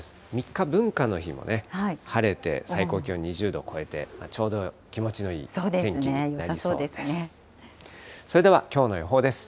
３日文化の日も晴れて、最高気温２０度超えて、ちょうど気持ちのいい天気になりそうです。